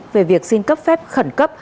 về việc xin cấp phép khẩn cấp